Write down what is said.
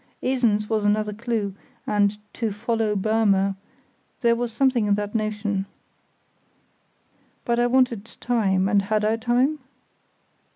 Esens was another clue, and "to follow Burmer"—there was something in that notion. But I wanted time, and had I time?